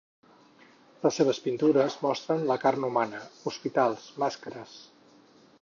Les seves pintures mostren la carn humana, hospitals, màscares.